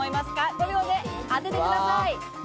５秒で当ててください。